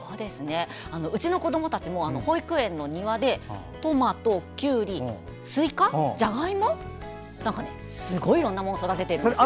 うちの子どもたちも保育園の庭でトマト、きゅうり、スイカじゃがいもなどすごいいろんなものを育てています。